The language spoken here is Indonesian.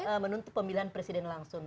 untuk menuntut pemilihan presiden langsung